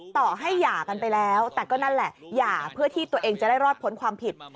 ต่อให้หย่ากันไปแล้วแต่ก็นั่นแหละหย่าเพื่อที่ตัวเองจะได้รอดพ้นความผิด